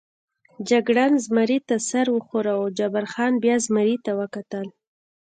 جګړن زمري ته سر و ښوراوه، جبار خان بیا زمري ته وکتل.